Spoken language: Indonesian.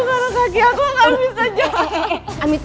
karena kaki aku gak bisa jalan